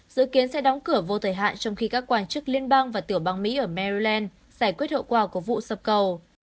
dự kiến sẽ đóng cửa vô thời hạn trong khi các quan chức liên bang và tiểu bang mỹ ở merland giải quyết hậu quả của vụ sập cầu